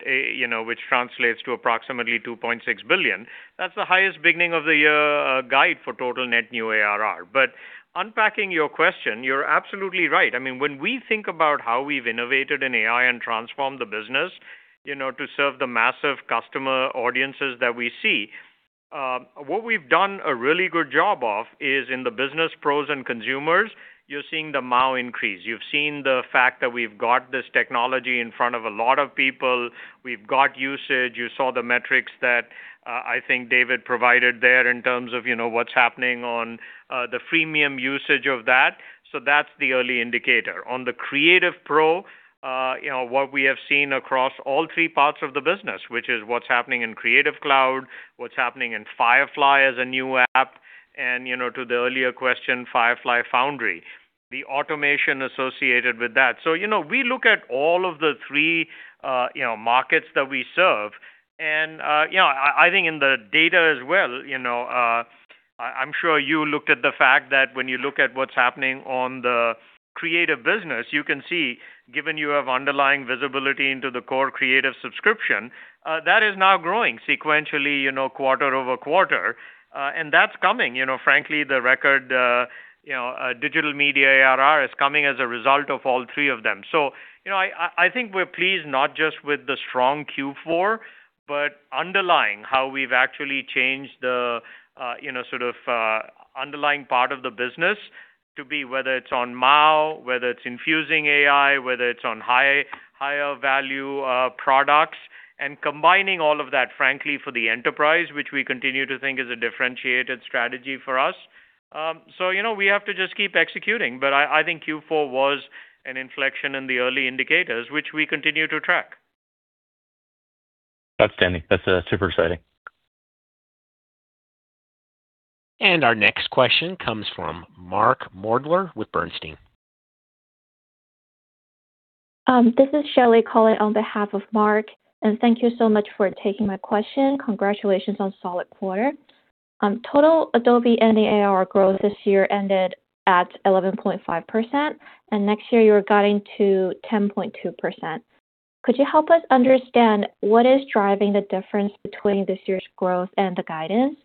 which translates to approximately $2.6 billion, that's the highest beginning of the year guide for total net new ARR, but unpacking your question, you're absolutely right. I mean, when we think about how we've innovated in AI and transformed the business to serve the massive customer audiences that we see, what we've done a really good job of is in the business pros and consumers, you're seeing the MAU increase. You've seen the fact that we've got this technology in front of a lot of people. We've got usage. You saw the metrics that I think David provided there in terms of what's happening on the freemium usage of that so that's the early indicator. On the creative pro, what we have seen across all three parts of the business, which is what's happening in Creative Cloud, what's happening in Firefly as a new app, and, to the earlier question, Firefly Foundry, the automation associated with that so we look at all of the three markets that we serve and I think in the data as well. I'm sure you looked at the fact that when you look at what's happening on the creative business, you can see, given you have underlying visibility into the core creative subscription, that is now growing sequentially quarter-over-quarter and that's coming. Frankly, the record Digital Media ARR is coming as a result of all three of them. So I think we're pleased not just with the strong Q4, but underlying how we've actually changed the sort of underlying part of the business to be whether it's on MAU, whether it's infusing AI, whether it's on higher value products, and combining all of that, frankly, for the enterprise, which we continue to think is a differentiated strategy for us. So we have to just keep executing. But I think Q4 was an inflection in the early indicators, which we continue to track. Outstanding. That's super exciting. Our next question comes from Mark Moerdler with Bernstein. This is Shelley calling on behalf of Mark. Thank you so much for taking my question. Congratulations on solid quarter. Total Adobe ARR growth this year ended at 11.5%. Next year, you're guiding to 10.2%. Could you help us understand what is driving the difference between this year's growth and the guidance?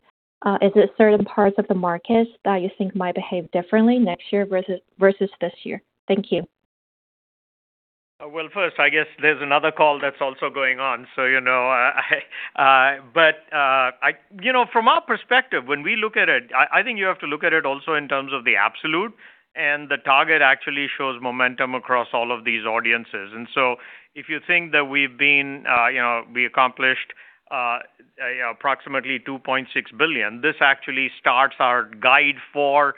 Is it certain parts of the markets that you think might behave differently next year versus this year? Thank you. First, I guess there's another call that's also going on. From our perspective, when we look at it, I think you have to look at it also in terms of the absolute. The target actually shows momentum across all of these audiences. If you think that we've accomplished approximately $2.6 billion, this actually starts our guide for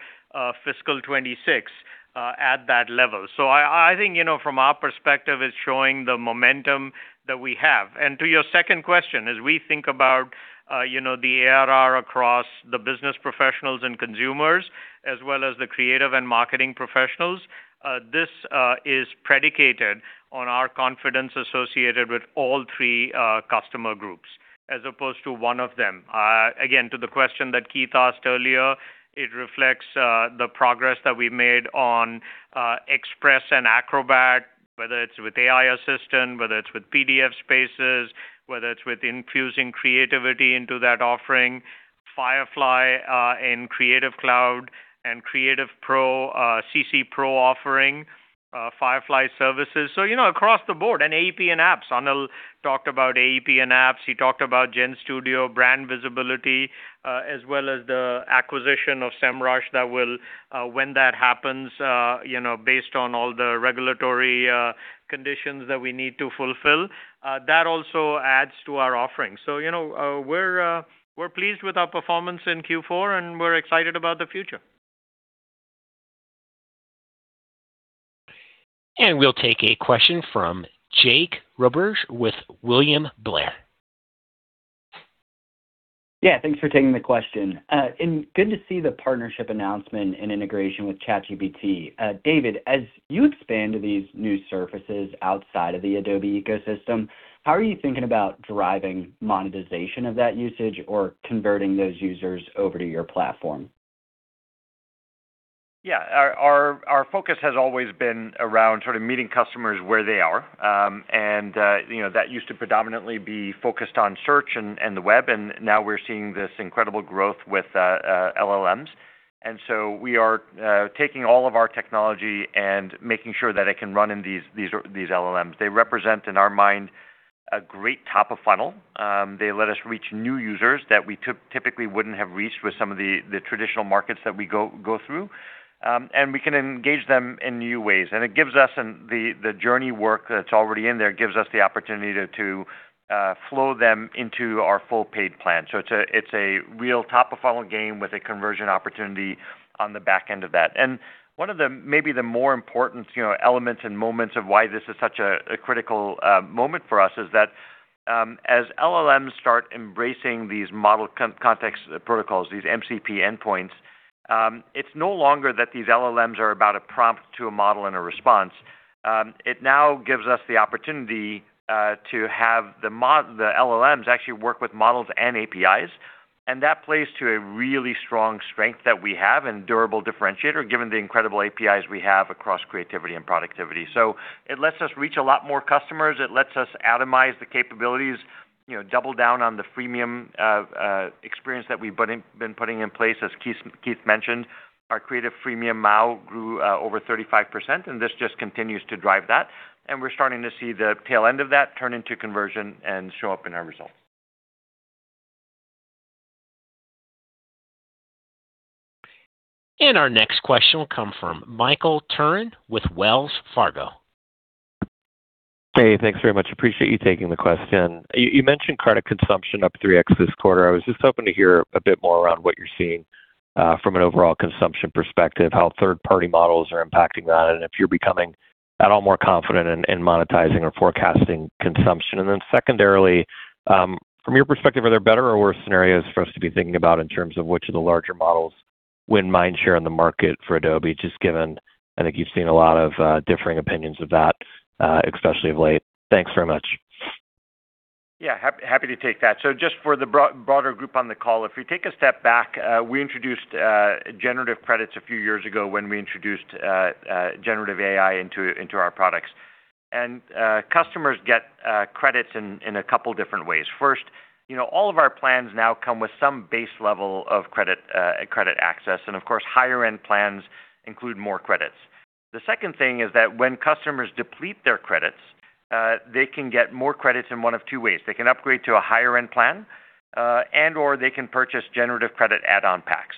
fiscal 2026 at that level. I think from our perspective, it's showing the momentum that we have. To your second question, as we think about the ARR across the business professionals and consumers as well as the creative and marketing professionals, this is predicated on our confidence associated with all three customer groups as opposed to one of them. Again, to the question that Keith asked earlier, it reflects the progress that we made on Express and Acrobat, whether it's with AI Assistant, whether it's with PDF Spaces, whether it's with infusing creativity into that offering, Firefly in Creative Cloud and Creative Cloud Pro offering, Firefly Services. So across the board, and AEP and apps. Anil talked about AEP and apps. He talked about GenStudio, brand visibility, as well as the acquisition of Semrush that will, when that happens, based on all the regulatory conditions that we need to fulfill, that also adds to our offering. So we're pleased with our performance in Q4, and we're excited about the future. And we'll take a question from Jake Roberge with William Blair. Yeah. Thanks for taking the question, and good to see the partnership announcement and integration with ChatGPT. David, as you expand to these new services outside of the Adobe ecosystem, how are you thinking about driving monetization of that usage or converting those users over to your platform? Yeah. Our focus has always been around sort of meeting customers where they are. And that used to predominantly be focused on search and the web. And now we're seeing this incredible growth with LLMs. And so we are taking all of our technology and making sure that it can run in these LLMs. They represent, in our mind, a great top of funnel. They let us reach new users that we typically wouldn't have reached with some of the traditional markets that we go through. And we can engage them in new ways. And it gives us the journey work that's already in there gives us the opportunity to flow them into our full paid plan. So it's a real top-of-funnel game with a conversion opportunity on the back end of that. And one of the maybe the more important elements and moments of why this is such a critical moment for us is that as LLMs start embracing these Model Context Protocols, these MCP endpoints, it's no longer that these LLMs are about a prompt to a model and a response. It now gives us the opportunity to have the LLMs actually work with models and APIs. And that plays to a really strong strength that we have and durable differentiator given the incredible APIs we have across creativity and productivity. So it lets us reach a lot more customers. It lets us itemize the capabilities, double down on the freemium experience that we've been putting in place. As Keith mentioned, our creative freemium MAU grew over 35%, and this just continues to drive that. We're starting to see the tail end of that turn into conversion and show up in our results. Our next question will come from Michael Turrin with Wells Fargo. Hey, thanks very much. Appreciate you taking the question. You mentioned credit consumption up 3X this quarter. I was just hoping to hear a bit more around what you're seeing from an overall consumption perspective, how third-party models are impacting that, and if you're becoming at all more confident in monetizing or forecasting consumption. And then secondarily, from your perspective, are there better or worse scenarios for us to be thinking about in terms of which of the larger models win mind share in the market for Adobe, just given I think you've seen a lot of differing opinions of that, especially of late. Thanks very much. Yeah, happy to take that. So just for the broader group on the call, if we take a step back, we introduced generative credits a few years ago when we introduced generative AI into our products. And customers get credits in a couple of different ways. First, all of our plans now come with some base level of credit access. And of course, higher-end plans include more credits. The second thing is that when customers deplete their credits, they can get more credits in one of two ways. They can upgrade to a higher-end plan, and/or they can purchase generative credit add-on packs.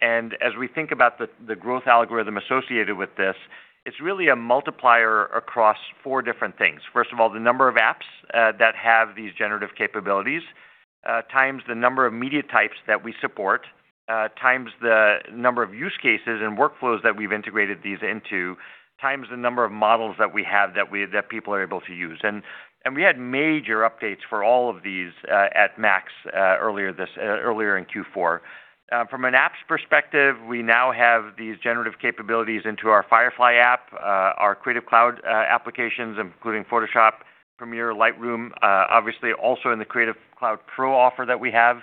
And as we think about the growth algorithm associated with this, it's really a multiplier across four different things. First of all, the number of apps that have these generative capabilities times the number of media types that we support times the number of use cases and workflows that we've integrated these into times the number of models that we have that people are able to use, and we had major updates for all of these at MAX earlier in Q4. From an apps perspective, we now have these generative capabilities into our Firefly app, our Creative Cloud applications, including Photoshop, Premiere, Lightroom, obviously also in the Creative Cloud Pro offer that we have.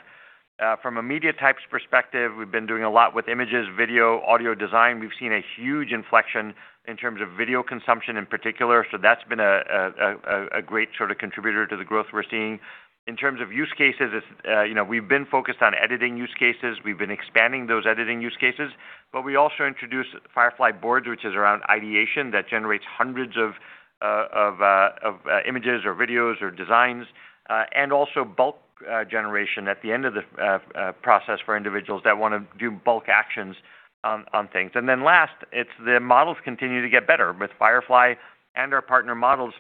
From a media types perspective, we've been doing a lot with images, video, audio design. We've seen a huge inflection in terms of video consumption in particular, so that's been a great sort of contributor to the growth we're seeing. In terms of use cases, we've been focused on editing use cases. We've been expanding those editing use cases. But we also introduced Firefly Boards, which is around ideation that generates hundreds of images or videos or designs, and also bulk generation at the end of the process for individuals that want to do bulk actions on things. And then last, the models continue to get better. With Firefly and our partner models,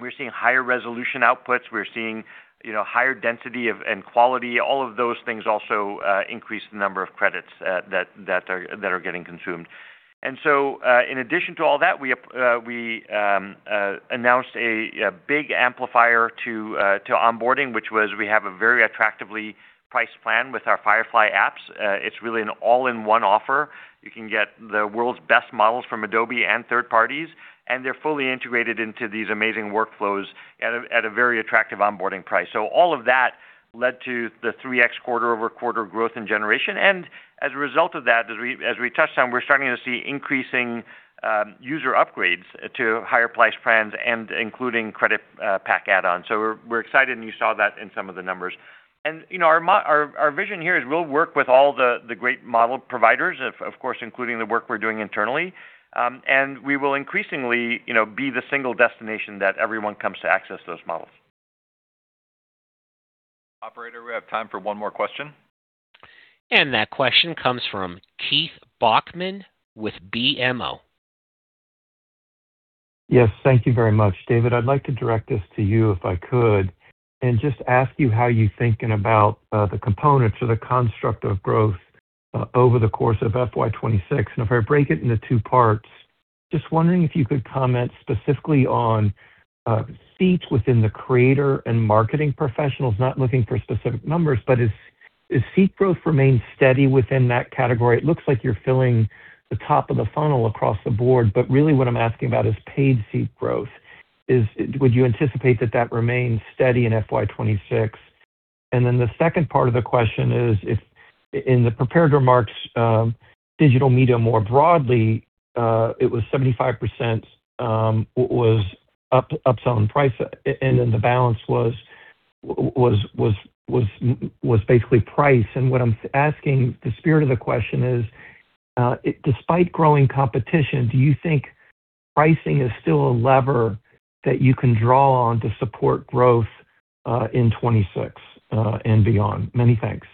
we're seeing higher resolution outputs. We're seeing higher density and quality. All of those things also increase the number of credits that are getting consumed. And so in addition to all that, we announced a big amplifier to onboarding, which was we have a very attractively priced plan with our Firefly apps. It's really an all-in-one offer. You can get the world's best models from Adobe and third parties. And they're fully integrated into these amazing workflows at a very attractive onboarding price. So all of that led to the 3X quarter-over-quarter growth and generation. And as a result of that, as we touched on, we're starting to see increasing user upgrades to higher price plans, including credit pack add-ons. So we're excited, and you saw that in some of the numbers. And our vision here is we'll work with all the great model providers, of course, including the work we're doing internally. And we will increasingly be the single destination that everyone comes to access those models. Operator, we have time for one more question. That question comes from Keith Bachman with BMO. Yes, thank you very much. David, I'd like to direct this to you if I could and just ask you how you're thinking about the components of the construct of growth over the course of FY26, and if I break it into two parts, just wondering if you could comment specifically on seats within the creator and marketing professionals, not looking for specific numbers, but is seat growth remained steady within that category? It looks like you're filling the top of the funnel across the board, but really what I'm asking about is paid seat growth. Would you anticipate that that remains steady in FY26, and then the second part of the question is, in the prepared remarks, digital media more broadly, it was 75% was upselling price, and then the balance was basically price. What I'm asking, the spirit of the question is, despite growing competition, do you think pricing is still a lever that you can draw on to support growth in 2026 and beyond? Many thanks.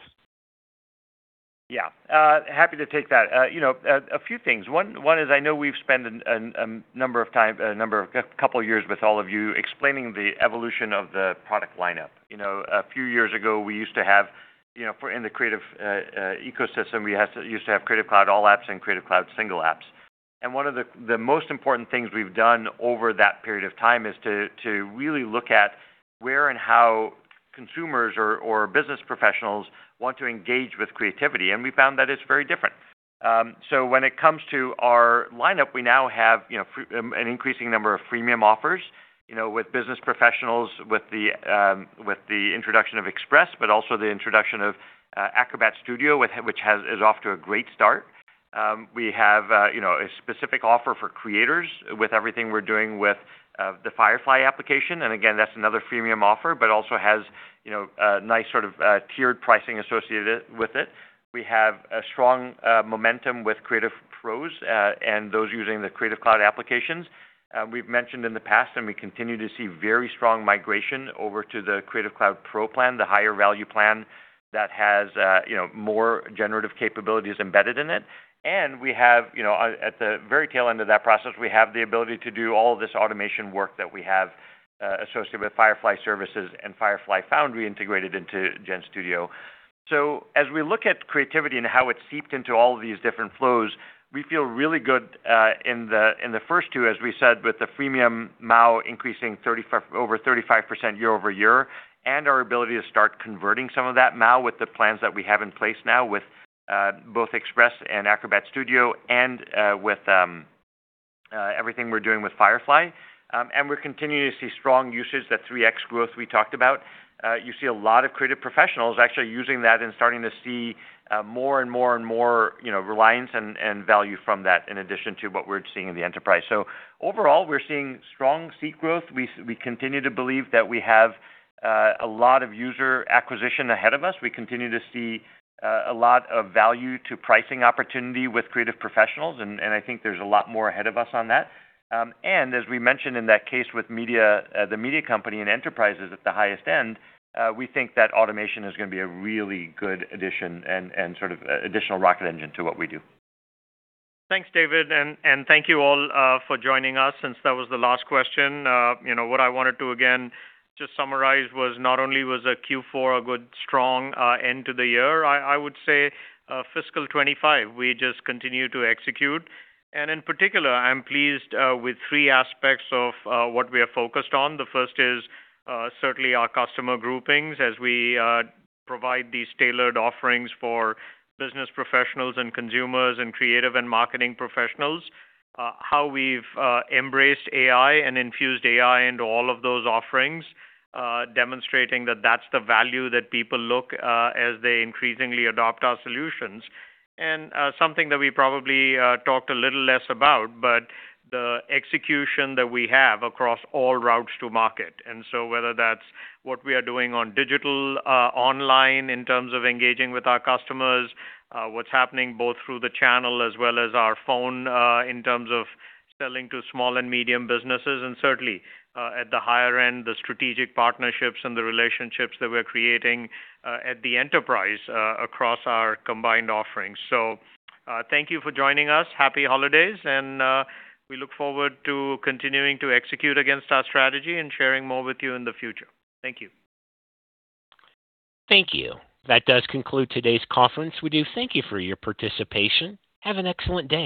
Yeah. Happy to take that. A few things. One is, I know we've spent a number of times, a couple of years with all of you explaining the evolution of the product lineup. A few years ago, we used to have in the creative ecosystem Creative Cloud All Apps and Creative Cloud Single Apps. And one of the most important things we've done over that period of time is to really look at where and how consumers or business professionals want to engage with creativity. And we found that it's very different. So when it comes to our lineup, we now have an increasing number of freemium offers with business professionals with the introduction of Express, but also the introduction of Acrobat Studio, which is off to a great start. We have a specific offer for creators with everything we're doing with the Firefly application. And again, that's another freemium offer, but also has a nice sort of tiered pricing associated with it. We have a strong momentum with creative pros and those using the Creative Cloud applications. We've mentioned in the past, and we continue to see very strong migration over to the Creative Cloud Pro plan, the higher value plan that has more generative capabilities embedded in it. And we have, at the very tail end of that process, we have the ability to do all of this automation work that we have associated with Firefly Services and Firefly Foundry integrated into GenStudio. So as we look at creativity and how it's seeped into all of these different flows, we feel really good in the first two, as we said, with the freemium MAU increasing over 35% year-over-year and our ability to start converting some of that MAU with the plans that we have in place now with both Express and Acrobat Studio and with everything we're doing with Firefly. And we're continuing to see strong usage, that 3X growth we talked about. You see a lot of creative professionals actually using that and starting to see more and more and more reliance and value from that in addition to what we're seeing in the enterprise. So overall, we're seeing strong seat growth. We continue to believe that we have a lot of user acquisition ahead of us. We continue to see a lot of value to pricing opportunity with creative professionals. And I think there's a lot more ahead of us on that. And as we mentioned in that case with the media company and enterprises at the highest end, we think that automation is going to be a really good addition and sort of additional rocket engine to what we do. Thanks, David. And thank you all for joining us since that was the last question. What I wanted to, again, just summarize was not only was a Q4 a good, strong end to the year, I would say fiscal 2025, we just continue to execute. And in particular, I'm pleased with three aspects of what we are focused on. The first is certainly our customer groupings as we provide these tailored offerings for business professionals and consumers and creative and marketing professionals, how we've embraced AI and infused AI into all of those offerings, demonstrating that that's the value that people look as they increasingly adopt our solutions. And something that we probably talked a little less about, but the execution that we have across all routes to market. And so whether that's what we are doing on digital, online in terms of engaging with our customers, what's happening both through the channel as well as our phone in terms of selling to small and medium businesses, and certainly at the higher end, the strategic partnerships and the relationships that we're creating at the enterprise across our combined offerings. So thank you for joining us. Happy holidays. And we look forward to continuing to execute against our strategy and sharing more with you in the future. Thank you. Thank you. That does conclude today's conference. We do thank you for your participation. Have an excellent day.